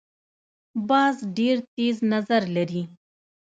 باز ډیر تېز نظر لري